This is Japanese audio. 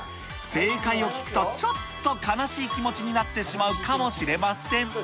正解を聞くとちょっと悲しい気持ちになってしまうかもしれません。